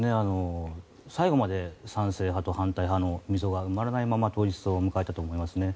最後まで賛成派と反対派の溝が埋まらないまま当日を迎えたと思いますね。